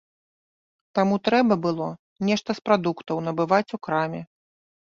Таму трэба было нешта з прадуктаў набываць у краме.